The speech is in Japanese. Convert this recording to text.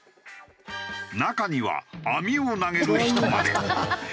中には網を投げる人まで。